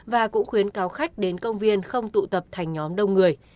và cũng khuyến cáo khách đến công viên không tụ tập thành nhóm đông người